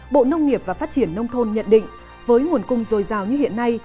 bộ nông nghiệp và phát triển nông thôn nhận định với nguồn cung rồi rào như hiện nay